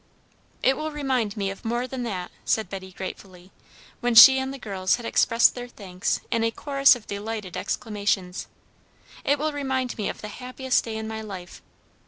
"It will remind me of more than that," said Betty gratefully, when she and the girls had expressed their thanks in a chorus of delighted exclamations. "It will remind me of the happiest day in my life.